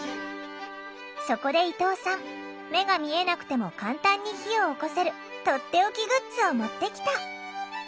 そこで伊藤さん目が見えなくても簡単に火をおこせるとっておきグッズを持ってきた。